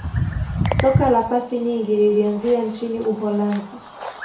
soka la pasi nyingi lilianzia nchini uholanzi